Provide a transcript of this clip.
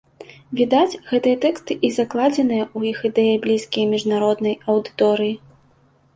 Відаць, гэтыя тэксты і закладзеныя ў іх ідэі блізкія міжнароднай аўдыторыі.